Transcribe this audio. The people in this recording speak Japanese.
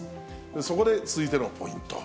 そこで続いてのポイント。